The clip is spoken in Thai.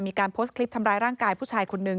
มีการโพสต์คลิปทำร้ายร่างกายผู้ชายคนนึง